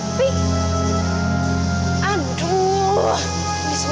kok udah sepi